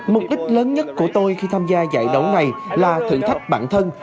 mục đích lớn nhất của tôi khi tham gia giải đấu này là thử thách bản thân